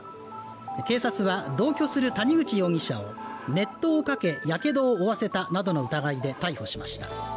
警察は同居する谷口容疑者を熱湯をかけやけどを負わせたなどの疑いで逮捕しました。